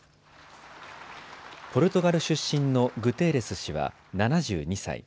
ポルトガル出身のグテーレス氏は７２歳。